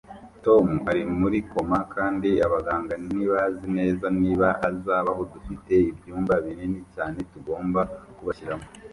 Tom ari muri koma kandi abaganga ntibazi neza niba azabaho Dufite ibyumba binini cyane tugomba kubashyiramo